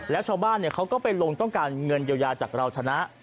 แล้วชาวบ้านเขาก็ไปลงต้องการเงินเยียวยาจากเราชนะ